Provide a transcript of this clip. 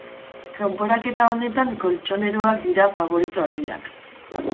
Kanporaketa honetan koltxoneroak dira faborito argiak.